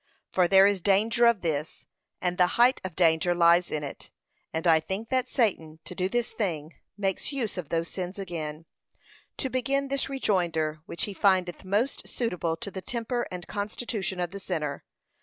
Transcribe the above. For there is danger of this, and the height of danger lies in it; and I think that Satan, to do this thing, makes use of those sins again, to begin this rejoinder, which he findeth most suitable to the temper and constitution of the sinner.